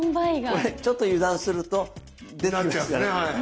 これちょっと油断すると。ってなっちゃうんすねはい。